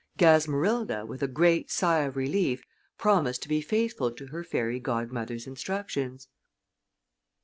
Gasmerilda, with a great sigh of relief, promised to be faithful to her fairy godmother's instructions.